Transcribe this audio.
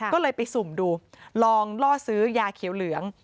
ก็เลยไปสุ่มดูลองล่อซื้อยาเขียวเหลือง